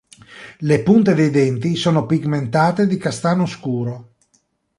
Le punte dei denti sono pigmentate di castano scuro.